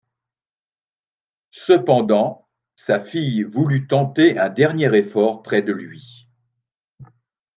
Cependant, sa fille voulut tenter un dernier effort près de lui.